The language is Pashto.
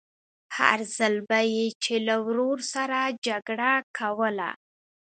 هر ځل به يې چې له ورور سره جګړه کوله.